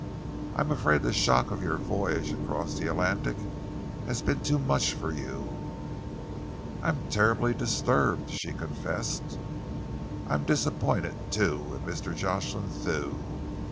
"I am afraid the shock of your voyage across the Atlantic has been too much for you." "I am terribly disturbed," she confessed. "I am disappointed, too, in Mr. Jocelyn Thew.